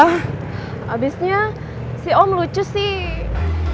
habisnya si om lucu sih